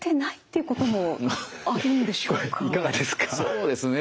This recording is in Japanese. そうですね